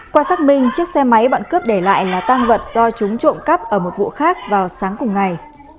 qua xác minh chiếc xe máy bọn cướp để lại là tăng vật do chúng trộm cắp ở một vụ khác vào sáng cùng ngày